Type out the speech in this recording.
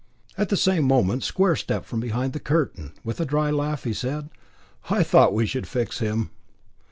At the same moment Square stepped from behind the curtain, with a dry laugh, and said: "I thought we should fix him.